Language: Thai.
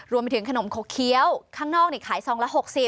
รวมไปถึงขนมขกเคี้ยวข้างนอกขายซองละ๖๐